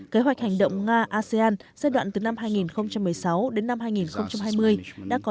kế hoạch hành động nga asean giai đoạn từ năm hai nghìn một mươi sáu đến năm hai nghìn hai mươi đã có